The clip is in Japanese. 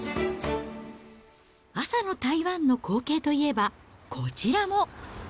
朝の台湾の光景といえば、こちらも。